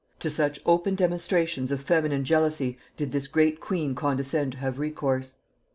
To such open demonstrations of feminine jealousy did this great queen condescend to have recourse!